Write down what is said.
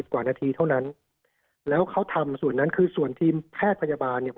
กว่านาทีเท่านั้นแล้วเขาทำส่วนนั้นคือส่วนทีมแพทย์พยาบาลเนี่ย